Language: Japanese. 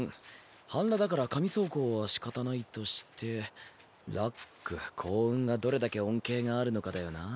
半裸だから紙装甲はしかたないとしてＬＵＣ幸運がどれだけ恩恵があるのかだよな。